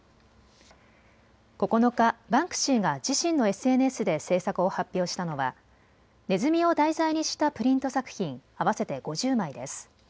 ９日、バンクシーが自身のＳＮＳで制作を発表したのはネズミを題材にしたプリント作品合わせて５０枚です。